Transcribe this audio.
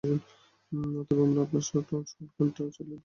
তবে, আমরা আপনার শটগানটা চাইলে ব্যবহার করতে পারি।